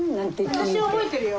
私は覚えてるよ。